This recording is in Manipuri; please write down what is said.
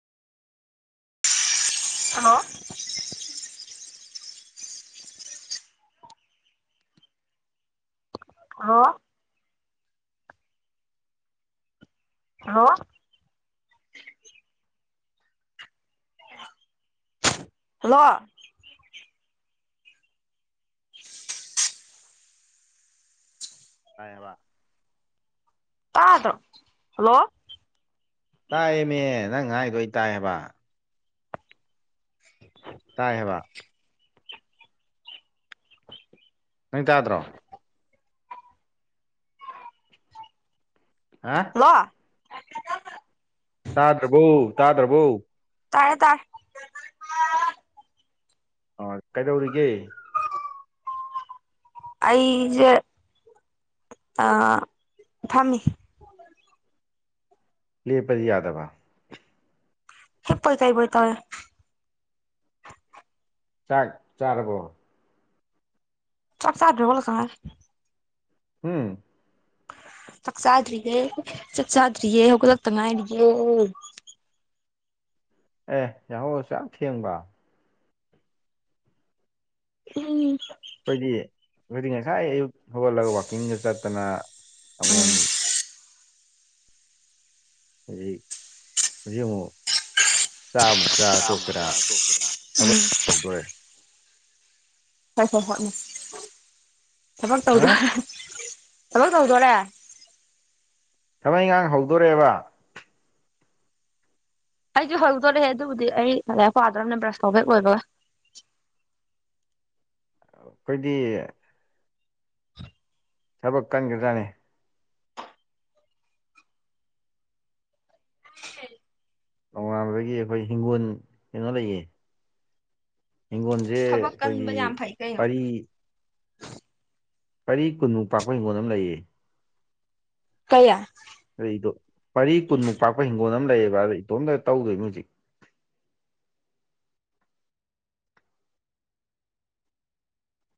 ꯍꯜꯂꯣ ꯍꯥꯎ ꯍꯜꯂ‌ꯣ ꯍꯜꯂꯣ ꯇꯌ‌ꯦꯕ ꯇꯥꯗ꯭ꯔꯣ ꯍꯜꯂꯣ ꯇꯥꯏꯌꯦꯃꯦ ꯅꯪ ꯍꯥꯏꯗꯣ ꯑꯩ ꯇꯥꯌ‌ꯦꯕ ꯇꯥꯏ ꯍꯥꯏꯕ ꯅꯪ ꯇꯥꯗ꯭ꯔꯣ ꯍꯥ ꯀ‌‌ꯣ ꯇꯥꯗ꯭ꯔꯕ‌‌ꯣ ꯇꯥꯗ꯭ꯔꯕ‌ꯣ ꯇꯥꯔꯦ ꯇꯥꯔꯦ ꯑꯥ ꯀꯩꯗꯧꯔꯤꯒꯦ ꯑꯩꯁꯦ ꯐꯝꯃꯤ ꯂꯦꯞꯄꯗꯤ ꯌꯥꯗꯕ ꯍꯤꯞꯄꯣꯏ ꯀꯩꯕꯣꯏ ꯇꯧꯔꯤ ꯆꯥꯛ ꯆꯥꯔꯕꯣ ꯆꯥꯛ ꯆꯥꯗ꯭ꯔꯥꯕꯣ ꯉꯥꯁꯥꯏ ꯎꯝ ꯆꯛ ꯆꯥꯗꯔꯤꯌ‌ꯦ ꯆꯥꯛ ꯆꯥꯗꯔꯤꯌ‌ꯦ ꯍꯧꯒꯠꯂꯛꯇ ꯉꯥꯏꯔꯤꯌꯦ ꯑꯦ ꯌꯥꯍꯧ ꯑꯁꯨꯌꯥꯝ ꯊꯦꯡꯕ ꯎꯝ ꯑꯩꯈꯣꯏꯗꯤ ꯑꯩꯈꯣꯏꯗꯤ ꯉꯁꯥꯏ ꯑꯌꯨꯛ ꯍꯧꯒꯠꯂꯒ ꯋꯥꯛꯀꯤꯡꯗ ꯆꯠꯇꯅ ꯁꯪꯒ‌ꯣꯝ ꯎꯝ ꯍꯧꯖꯤꯛ ꯍꯧꯖꯤꯛ ꯑꯃꯨꯛ ꯆꯥꯛ ꯑꯃ‌ꯣꯛ ꯆꯥ ꯇ‌ꯣꯛꯇꯔꯥ ꯎꯝ ꯗꯣꯔꯦ ꯍ‌ꯣꯏ ꯍ‌ꯣꯏ ꯍ‌ꯣꯏ ꯎꯝ ꯊꯕꯛ ꯍꯥ ꯇꯧꯗꯣ [unintelligible] ꯊꯕꯛ ꯇꯧꯗ‌ꯣꯔ‌ꯦ ꯊꯕꯛ ꯏꯡꯈꯥꯡ ꯍꯧꯗꯣꯔꯦꯕ ꯑꯩꯁꯨ ꯍꯧꯗꯣꯔ‌ꯦꯍ‌ꯦ ꯑꯗꯨꯕꯨꯗꯤ ꯑꯩ ꯂꯥꯏꯔꯤꯛ ꯄꯥꯗ꯭ꯔꯕꯅ ꯕ꯭ꯔꯁ ꯇꯧꯕ ꯍꯦꯛ ꯂ‌ꯣꯏꯕꯒ ꯑꯩꯈꯣꯏꯗꯤ ꯊꯕꯛ ꯀꯟꯒꯗ꯭ꯔꯥꯙꯠꯅꯦ ꯅꯣꯡꯉꯥꯟꯕꯗꯒꯤ ꯑꯩꯈꯣꯏ ꯍꯤꯡꯒꯣꯜ ꯀꯩꯅꯣ ꯂꯩꯌꯦ ꯍꯤꯡꯒꯣꯟꯁꯦ ꯊꯕꯛ ꯀꯟꯕ ꯑꯩꯈꯣꯏꯒꯤ ꯌꯥꯝ ꯐꯩ ꯀꯩꯅꯣ ꯄꯔꯤ ꯄꯔꯤ ꯀꯨꯟꯃꯨꯛ ꯄꯥꯛꯄ ꯍꯤꯡꯒꯣꯟ ꯑꯃ ꯂꯩꯌꯦ ꯀꯌꯥ ꯑꯩꯗꯣ ꯄꯔꯤ ꯀꯨꯟꯃꯨꯛ ꯄꯥꯛꯄ ꯍꯤꯡꯒꯣꯜ ꯑꯃ ꯂꯩꯌꯦꯕ ꯑꯗꯨ ꯏꯇꯣꯝꯇ ꯇꯧꯗꯣꯏꯅꯤ ꯍꯧꯖꯤꯛ